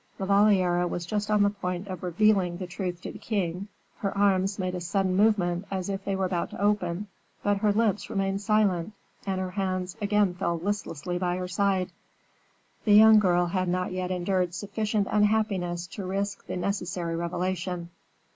La Valliere was just on the point of revealing the truth to the king, her arms made a sudden movement as if they were about to open, but her lips remained silent, and her hands again fell listlessly by her side. The poor girl had not yet endured sufficient unhappiness to risk the necessary revelation.